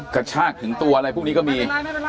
กระชากถึงตัวอะไรพวกนี้ก็มี